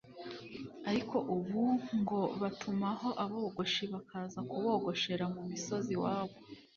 ariko ubu ngo batumaho abogoshi bakaza kubogoshera mu misozi iwabo